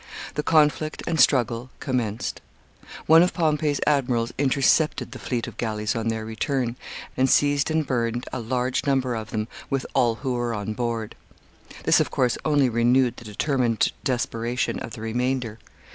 The conflict and struggle commenced. One of Pompey's admirals intercepted the fleet of galleys on their return, and seized and burned a large number of them, with all who were on board. This, of course, only renewed the determined desperation of the remainder.